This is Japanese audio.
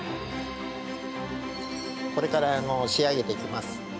これから仕上げていきます。